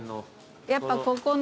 やっぱここの。